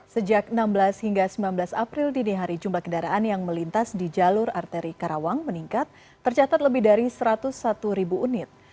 sejak enam belas hingga sembilan belas april dini hari jumlah kendaraan yang melintas di jalur arteri karawang meningkat tercatat lebih dari satu ratus satu ribu unit